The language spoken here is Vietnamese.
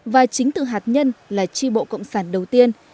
và chính từ hạt nhân là tri bộ cộng sản đầu tiên